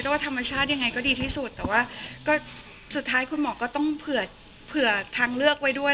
แต่ว่าธรรมชาติยังไงก็ดีที่สุดแต่ว่าก็สุดท้ายคุณหมอก็ต้องเผื่อทางเลือกไว้ด้วย